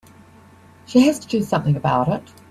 She has to do something about it.